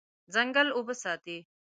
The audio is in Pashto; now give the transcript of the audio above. ځنګل اوبه ساتي.